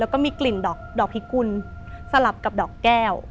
แล้วก็มีกลิ่นดอกพิกุลสลับกับดอกแก้ว